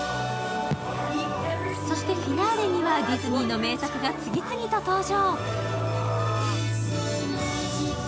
そしてフィナーレにはディズニーの名作が次々と登場。